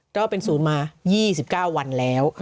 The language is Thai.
ก็เป็นศูนย์มา๒๙วันแล้ว